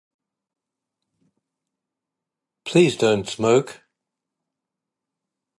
Please don't smoke.